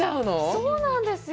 そうなんですよ。